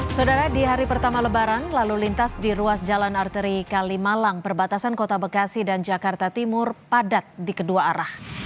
saudara di hari pertama lebaran lalu lintas di ruas jalan arteri kalimalang perbatasan kota bekasi dan jakarta timur padat di kedua arah